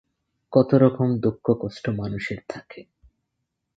কত রকম দুঃখ-কষ্ট মানুষের থাকে।